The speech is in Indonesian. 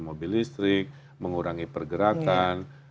mobil listrik mengurangi pergerakan